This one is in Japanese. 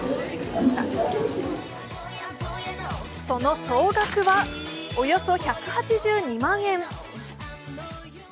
その総額は、およそ１２８万円。